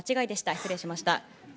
失礼しました。